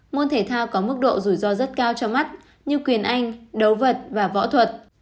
môn thể thao có mức độ rủi ro rất cao trong mắt như quyền anh đấu vật và võ thuật